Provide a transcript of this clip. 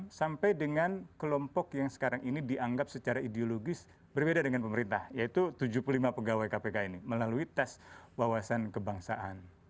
nah sampai dengan kelompok yang sekarang ini dianggap secara ideologis berbeda dengan pemerintah yaitu tujuh puluh lima pegawai kpk ini melalui tes wawasan kebangsaan